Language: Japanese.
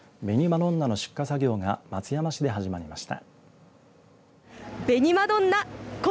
どんなの出荷作業が松山市で始まりました。